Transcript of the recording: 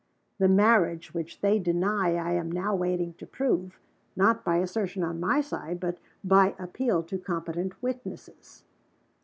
The marriage which they deny I am now waiting to prove not by assertion, on my side, but by appeal to competent witnesses."